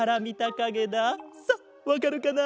さあわかるかな？